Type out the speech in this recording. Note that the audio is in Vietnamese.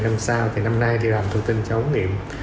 làm sao thì năm nay thì làm thủ tinh cho ống nghiệm